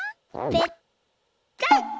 ペッタン！